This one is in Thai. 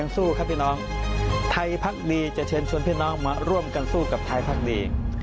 สู้ครับพี่น้องไทยพักดีจะเชิญชวนพี่น้องมาร่วมกันสู้กับไทยพักดี